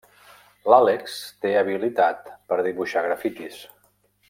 L'Àlex té habilitat per dibuixar grafitis.